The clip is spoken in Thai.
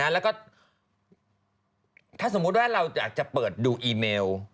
แล้วก็ถ้าสมมุติว่าเราอยากจะเปิดดูอีเมล